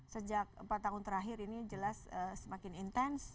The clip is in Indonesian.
sejak empat tahun terakhir ini jelas semakin intens